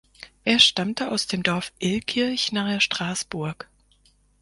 Er stammte aus dem Dorf Illkirch nahe Straßburg.